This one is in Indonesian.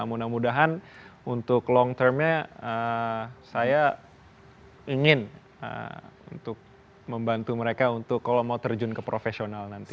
mudah mudahan untuk long termnya saya ingin untuk membantu mereka untuk kalau mau terjun ke profesional nanti